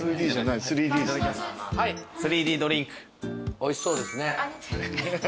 おいしそうですね。